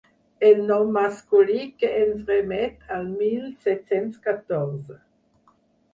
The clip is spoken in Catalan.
El nom masculí que ens remet al mil set-cents catorze.